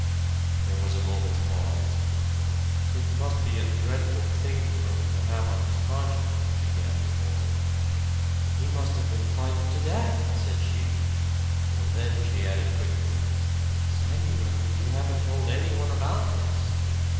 There was a moment's pause. "It must be a dreadful thing for him to have on his conscience" began the boy. "He must have been frightened to death!" said she. And then she added quickly, "Samuel, you haven't told anyone about this!"